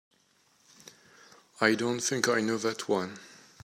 I don't think I know that one.